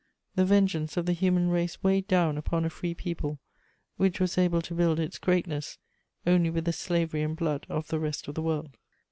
The vengeance of the human race weighed down upon a free people, which was able to build its greatness only with the slavery and blood of the rest of the world.